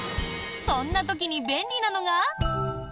そんな時に便利なのが。